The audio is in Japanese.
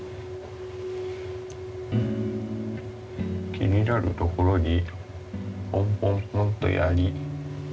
気になるところにポンポンポンとやり。